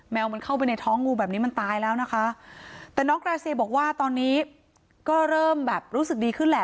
วมันเข้าไปในท้องงูแบบนี้มันตายแล้วนะคะแต่น้องกราเซียบอกว่าตอนนี้ก็เริ่มแบบรู้สึกดีขึ้นแหละ